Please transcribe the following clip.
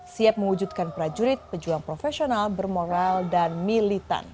siap mewujudkan prajurit pejuang profesional bermoral dan militan